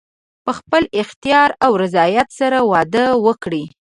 په خپل اختیار او رضایت سره واده وکړي.